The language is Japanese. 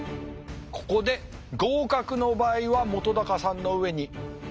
ここで合格の場合は本さんの上に花開きます